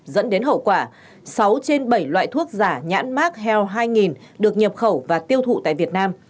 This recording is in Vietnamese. và sáu trên bảy loại thuốc giả nhãn mark hell hai nghìn được nhập khẩu và tiêu thụ tại việt nam